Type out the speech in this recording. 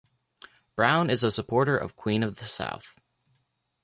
Brown is a supporter of Queen of the South.